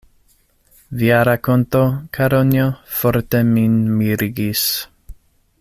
Via rakonto, Karonjo, forte min mirigis.